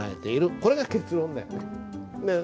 これが結論だよね。